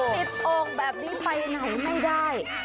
โอ่งแบบนี้ไปไหนไม่ได้